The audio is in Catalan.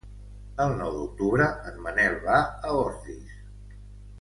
El nou d'octubre en Manel va a Ordis.